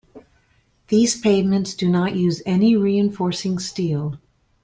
These pavements do not use any reinforcing steel.